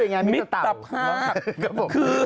ก็มิตรต่าว